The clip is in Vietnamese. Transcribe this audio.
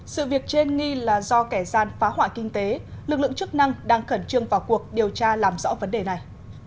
sự việc trên nghi là do kẻ gian phá hoại kinh tế lực lượng chức năng đang khẩn trương vào cuộc điều tra làm rõ vấn đề này